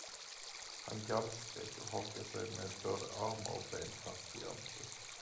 Han gallskrek och hakade sig med både armar och ben fast vid Ante.